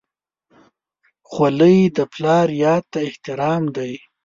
خولۍ د پلار یاد ته احترام دی.